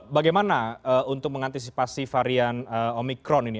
bagaimana untuk mengantisipasi varian omikron ini